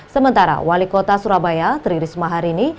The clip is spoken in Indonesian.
sementara wali kota surabaya tririsma harini